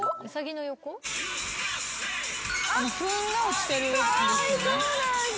ふんが落ちてるんです。